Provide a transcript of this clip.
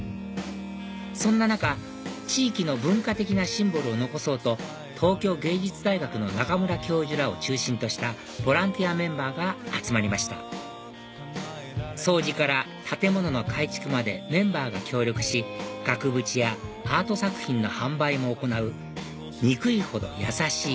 そんな中地域の文化的なシンボルを残そうと東京藝術大学の中村教授らを中心としたボランティアメンバーが集まりました掃除から建物の改築までメンバーが協力し額縁やアート作品の販売も行う「ニクイホドヤサシイ」